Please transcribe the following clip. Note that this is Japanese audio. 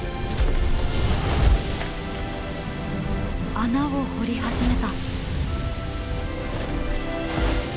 穴を掘り始めた。